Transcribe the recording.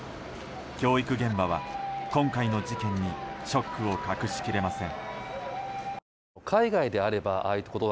教育現場は、今回の事件にショックを隠しきれません。